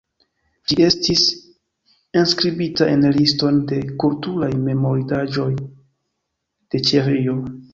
Ĝi estis enskribita en Liston de kulturaj memorindaĵoj de Ĉeĥio.